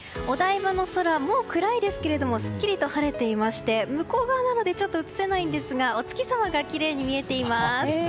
お台場の空、もう暗いですけどすっきりと晴れていまして向こう側なのでちょっと映せないんですがお月様がきれいに見えています。